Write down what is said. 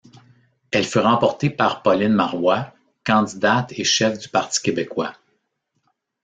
Elle fut remportée par Pauline Marois, candidate et chef du Parti québécois.